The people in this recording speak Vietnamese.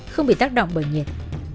không bị tác động bởi nhiệt